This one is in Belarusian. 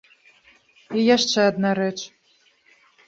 І яшчэ адна рэч.